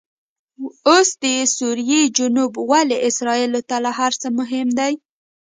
اوس دسوریې جنوب ولې اسرایلو ته له هرڅه مهم دي؟